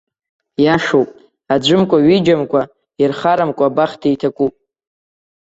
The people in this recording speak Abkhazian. Иашоуп, аӡәымкәа-ҩыџьамкәа ирхарамкәа абахҭа иҭакуп.